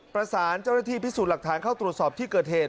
ประสานเจ้าหน้าที่พิสูจน์หลักฐานเข้าตรวจสอบที่เกิดเหตุ